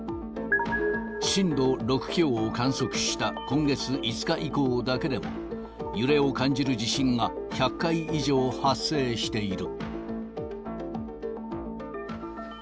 震度６強を観測した今月５日以降だけでも、揺れを感じる地震が１００回以上発生している。